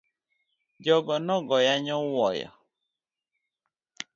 Jogo no goya nyowuoyo.